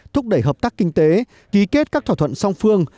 thúc đẩy hợp tác kinh tế ký kết các thỏa thuận song phương